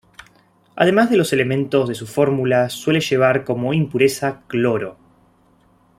Además de los elementos de su fórmula, suele llevar como impureza cloro.